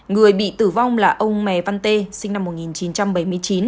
người bị tử vong là ông mè văn tê sinh năm một nghìn chín trăm chín mươi bốn